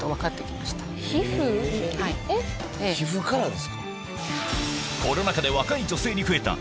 皮膚からですか？